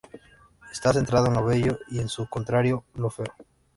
Está centrado en lo bello y en su contrario, lo feo.